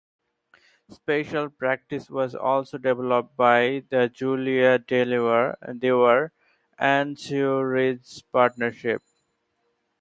Spatial practice was also developed by the Julia Dwyer and the Sue Ridge partnership.